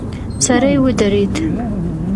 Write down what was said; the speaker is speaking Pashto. سړی ودرید.